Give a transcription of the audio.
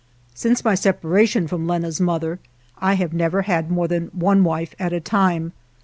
Since my separation from Lenna's mother I have never had more than one wife at a time.